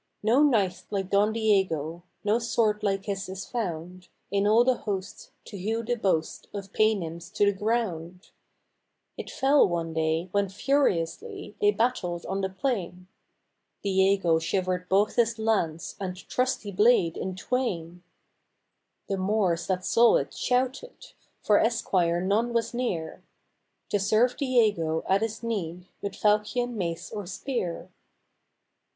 No knight like Don Diego, — no sword like his is found In all the host, to hew the boast of Paynims to the ground. 444 DIEGO PEREZ, "THE POUNDER" It fell one day when furiously they battled on the plain. Diego shivered both his lance and trusty blade in twain; The Moors that saw it shouted, for esquire none was near, To serve Diego at his need with falchion, mace, or spear.